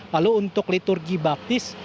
lalu untuk liturgi baptis